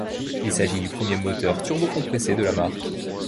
Il s'agit du premier moteur turbocompressé de la marque.